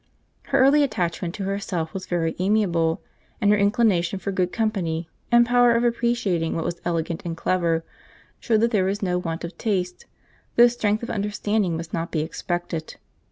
Her early attachment to herself was very amiable; and her inclination for good company, and power of appreciating what was elegant and clever, shewed that there was no want of taste, though strength of understanding must not be expected.